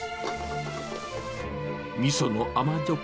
みその甘じょっ